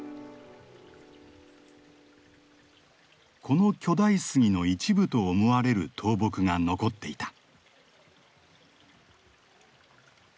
この巨大杉の一部と思われる倒木が残っていた。